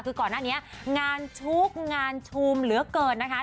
คือก่อนหน้านี้งานชุกงานชูมเหลือเกินนะคะ